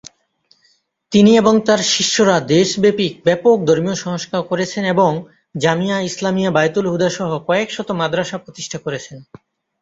তিনি এবং তার শিষ্যরা দেশব্যাপী ব্যাপক ধর্মীয় সংস্কার করেছেন এবং জামিয়া ইসলামিয়া বায়তুল হুদা সহ কয়েকশত মাদ্রাসা প্রতিষ্ঠা করেছেন।